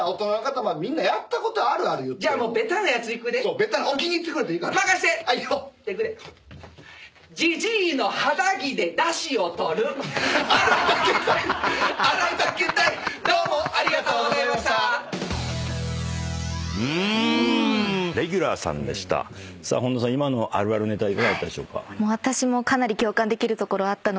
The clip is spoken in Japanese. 今のあるあるネタいかがだったでしょうか？